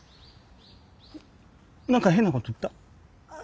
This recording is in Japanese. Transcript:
何か変なこと言った？